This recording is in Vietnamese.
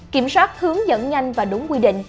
kiểm soát hướng dẫn nhanh và đúng quy định